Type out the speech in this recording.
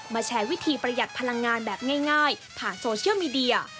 แชร์วิธีประหยัดพลังงานแบบง่ายผ่านโซเชียลมีเดีย